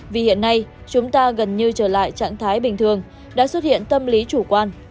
vì hiện nay chúng ta gần như trở lại trạng thái bình thường đã xuất hiện tâm lý chủ quan